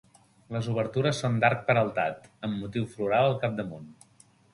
Les obertures són d'arc peraltat, amb motiu floral al damunt.